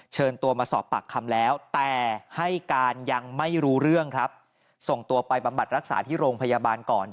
เชิญตัวมาสอบปากคำแล้วแต่ให้การยังไม่รู้เรื่องครับส่งตัวไปบำบัดรักษาที่โรงพยาบาลก่อน